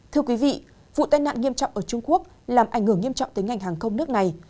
thưa quý vị vụ tai nạn nghiêm trọng ở trung quốc làm ảnh hưởng nghiêm trọng tới ngành hàng không nước này